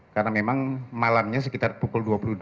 karena memang malamnya sekitar pukul dua puluh dua